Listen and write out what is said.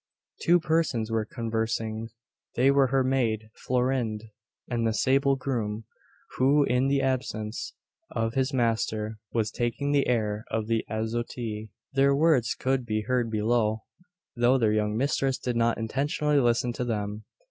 Two persons were conversing. They were her maid Florinde, and the sable groom, who, in the absence of his master, was taking the air of the azotea. Their words could be heard below, though their young mistress did not intentionally listen to them.